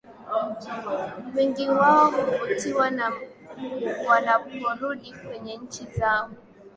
wengi wao huvutiwa na wanaporudi kwenye nchi zao